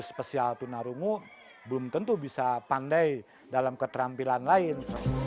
spesial tunarungu belum tentu bisa pandai dalam keterampilan lain